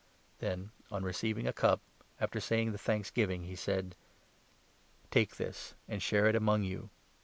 Then, on receiving a cup, after saying the thanksgiving, he 17 said :" Take this and share it among you.